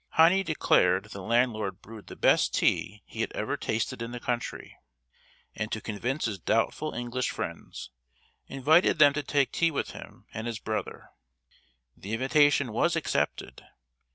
Heine declared the landlord brewed the best tea ho had ever tasted in the country, and to convince his doubtful English friends, invited them to take tea with him and his brother. The invitation was accepted.